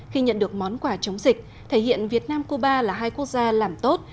khi nhận được món quà chống dịch thể hiện việt nam cuba là hai quốc gia làm tốt